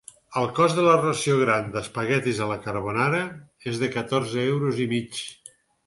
El cost de la ració gran d'espaguetis a la carbonara és de catorze euros i mig.